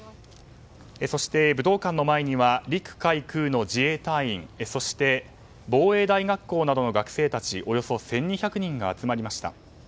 そして、武道館の前には陸海空の自衛隊員防衛大学校などの学生たちおよそ１２００人が集まりました。